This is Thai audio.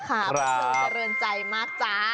ขอบคุณกระเรือนใจมากจ๊ะ